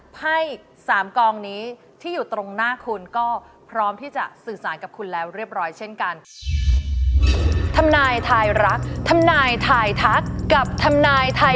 ไพ่๓กองนี้ที่อยู่ตรงหน้าคุณก็พร้อมที่จะสื่อสารกับคุณแล้วเรียบร้อยเช่นกัน